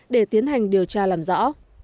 để tiến hành điều tra làm rõ